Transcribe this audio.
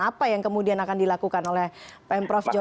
apa yang kemudian akan dilakukan oleh pak m prof jorati